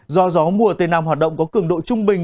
do gió mùa tây nam hoạt động có cường độ trung bình